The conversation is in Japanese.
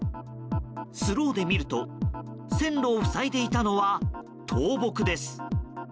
スローで見ると線路を塞いでいたのは倒木です。